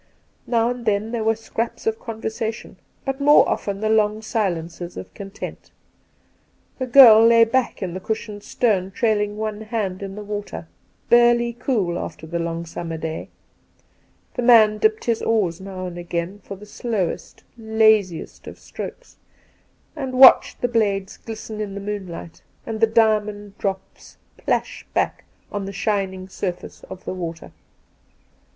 Now and then there were scraps of conversation, but more often the long silences of content. The girl lay back in the cushioned stern trailing one hand in the water, barely cool after the long summer day ; the man dipped his oars now and again for the slowest, laziest of strokes, and watched the blades glisten in the moonlight and the diamond drops plash back on the shining surface of the water.